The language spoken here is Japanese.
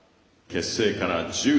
結成から１０年。